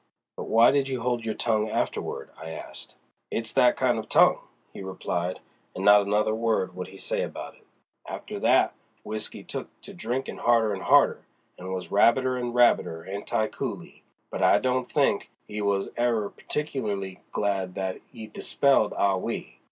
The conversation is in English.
"But why did you hold your tongue afterward?" I asked. "It's that kind of tongue," he replied, and not another word would he say about it. "After that W'isky took to drinkin' harder an' harder, and was rabider an' rabider anti coolie, but I don't think 'e was ever particularly glad that 'e dispelled Ah Wee.